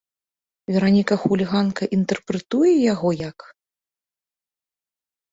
Вераніка-хуліганка інтэрпрэтуе яго як?